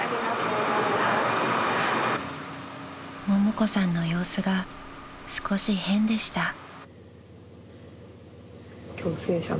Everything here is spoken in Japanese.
［ももこさんの様子が少し変でした］